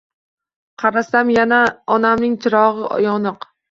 Qarasam, yana onamning chirog‘i yoniq.